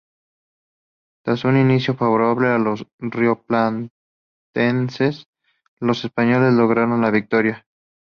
Tras un inicio favorable a los rioplatenses, los españoles lograron la victoria.